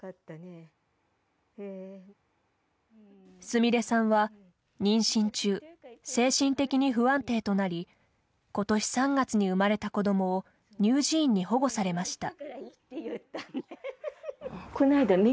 すみれさんは妊娠中、精神的に不安定となりことし３月に産まれた子どもを乳児院に保護されました。